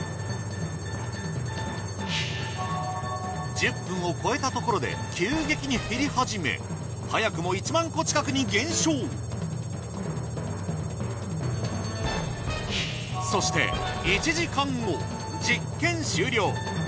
１０分を超えたところで急激に減り始めはやくも１万個近くに減少そして１時間後実験終了。